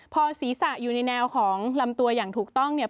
พอศีรษะอยู่ในแนวของลำตัวอย่างถูกต้องเนี่ย